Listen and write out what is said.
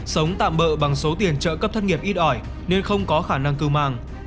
sống tạm bợ bằng số tiền trợ cấp thất nghiệp ít ỏi nên không có khả năng cư mang